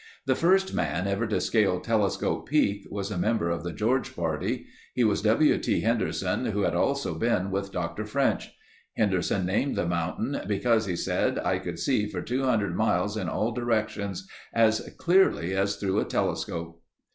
The first man ever to scale Telescope Peak was a member of the George party. He was W. T. Henderson, who had also been with Dr. French. Henderson named the mountain "because," he said, "I could see for 200 miles in all directions as clearly as through a telescope."